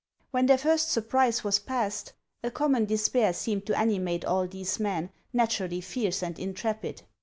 When their first surprise was past, a common despair seemed to animate all these men, naturally fierce and intrepid.